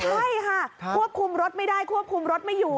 ใช่ค่ะควบคุมรถไม่ได้ควบคุมรถไม่อยู่